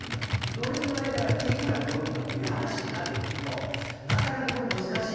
どれぐらいからいくら取るんだという話になってくるとなかなかこれ難しいですよね。